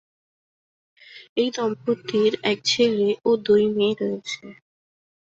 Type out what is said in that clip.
এই দম্পতির এক ছেলে ও দুই মেয়ে রয়েছে।